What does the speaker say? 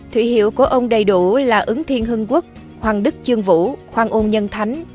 thủy hiệu của ông đầy đủ là ứng thiên hương quốc hoàng đức chương vũ khoan ôn nhân thánh